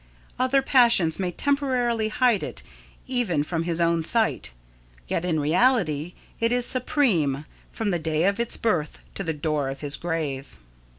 Other passions may temporarily hide it even from his own sight, yet in reality it is supreme, from the day of its birth to the door of his grave.